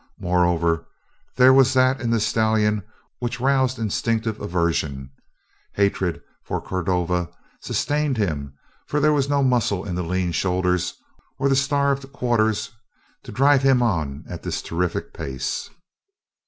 Moreover, there was that in the stallion which roused instinctive aversion. Hatred for Cordova sustained him, for there was no muscle in the lean shoulders or the starved quarters to drive him on at this terrific pace.